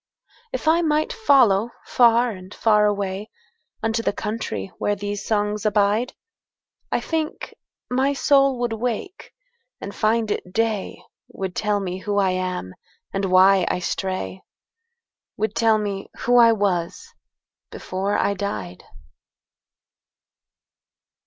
If I might follow far and far awayUnto the country where these songs abide,I think my soul would wake and find it day, Would tell me who I am, and why I stray,—Would tell me who I was before I died.